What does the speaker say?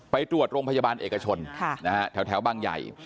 ไปตรวจโรงพยาบาลเอกชนแถวบางใหญ่